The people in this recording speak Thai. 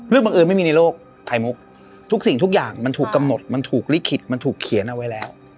บังเอิญไม่มีในโลกไข่มุกทุกสิ่งทุกอย่างมันถูกกำหนดมันถูกลิขิตมันถูกเขียนเอาไว้แล้ว